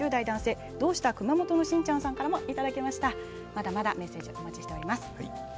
まだまだメッセージお待ちしています。